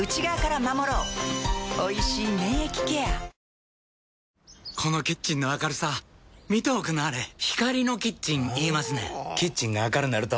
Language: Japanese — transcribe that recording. おいしい免疫ケアこのキッチンの明るさ見ておくんなはれ光のキッチン言いますねんほぉキッチンが明るなると・・・